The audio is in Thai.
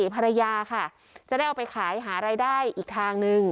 ภรรยาค่ะจะได้เอาไปขายหารายได้อีกทางนึง